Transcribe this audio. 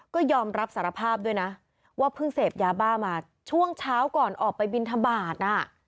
ก็ยอมรับสารภาพด้วยนะว่าเพิ่งเสพยาบ้ามาช่วงเช้าก่อนออกไปบินทบาทน่ะ